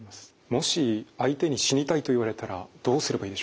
もし相手に「死にたい」と言われたらどうすればいいでしょうか？